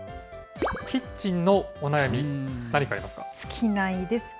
キッチンのお悩み、何かありますか？